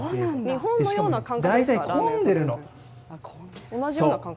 日本と同じような感覚？